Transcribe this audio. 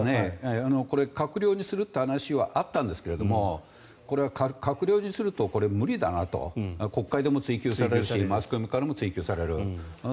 これ、閣僚にするという話はあったんですがこれは閣僚にすると無理だなと国会でも追及されるしマスコミからも追及される。